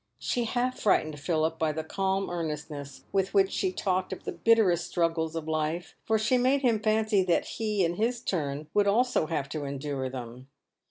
She half frightened Philip by the calm earnestness with which she talked of the bitterest struggles of life, for she made him fancy that he, in his turn, would also have to endure them.